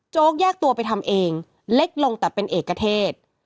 แยกตัวไปทำเองเล็กลงแต่เป็นเอกเทศ